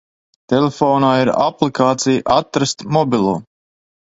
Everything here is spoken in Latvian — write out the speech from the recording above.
Telefonā ir aplikācija "Atrast mobilo".